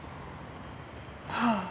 はあ。